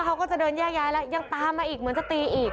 เขาก็จะเดินแยกย้ายแล้วยังตามมาอีกเหมือนจะตีอีก